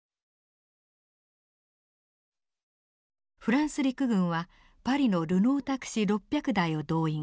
フランス陸軍はパリのルノータクシー６００台を動員。